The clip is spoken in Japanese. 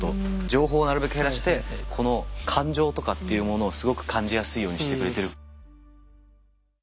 情報をなるべく減らしてこの感情とかっていうものをすごく感じやすいようにしてくれてる。